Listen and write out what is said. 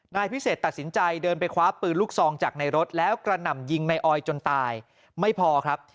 นายพิเศษตัดสินใจเดินไปคว้าปืนลูกซองจากในรถแล้วกระหน่ำยิงในออยจนตายไม่พอครับ